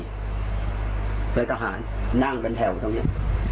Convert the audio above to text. เรื่องทหารนั่งกันแถวตรงนี้